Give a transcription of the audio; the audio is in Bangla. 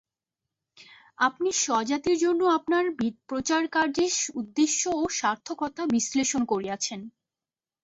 আপনি স্বজাতির জন্য আপনার প্রচারকার্যের উদ্দেশ্য ও সার্থকতা বিশ্লেষণ করিয়াছেন।